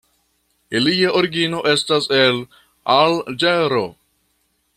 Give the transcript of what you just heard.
Ilia origino estas el Alĝero.